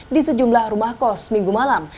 di sejumlah rumah kos minggu malam